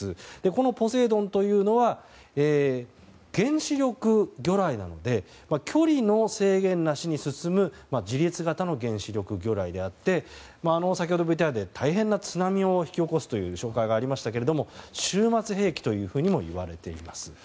このポセイドンというのは原子力魚雷なので距離の制限なしに進む自律型の原子力魚雷であって先ほどＶＴＲで大変な津波を引き起こすという紹介がありましたけど終末兵器ともいわれています。